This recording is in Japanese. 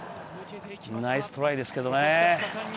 ナイストライですけどね。